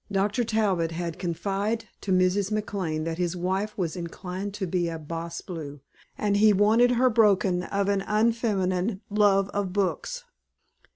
IV Dr. Talbot had confided to Mrs. McLane that his wife was inclined to be a bas bleu and he wanted her broken of an unfeminine love of books.